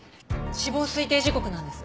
死亡推定時刻なんです。